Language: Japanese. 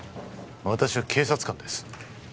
私は警察官です